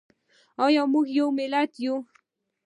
آیا موږ یو امت یو؟